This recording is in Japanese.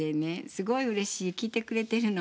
すごいうれしい聴いてくれてるの？